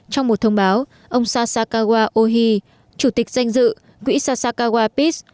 trong một thông báo ông sasakawa ohi chủ tịch danh dự quỹ sasakawa pis